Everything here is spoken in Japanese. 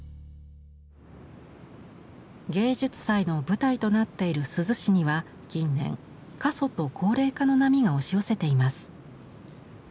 芸術祭の舞台となっている珠洲市には近年過疎と高齢化の波が押し寄せています。